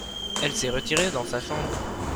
elle s'est retirée dans sa chambre.